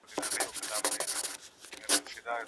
دا تفریحي مرکز د کورنیو د لیدنې لپاره په عصري ډول جوړ شوی.